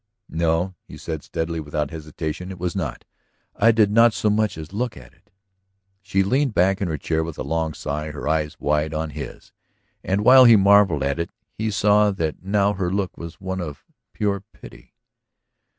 "No," he said steadily, without hesitation. "It was not. I did not so much as look at it." She leaned back in her chair with a long sigh, her eyes wide on his. And while he marvelled at it, he saw that now her look was one of pure pity.